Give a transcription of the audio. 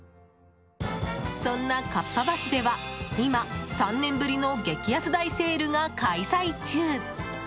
そんなかっぱ橋では、今３年ぶりの激安大セールが開催中。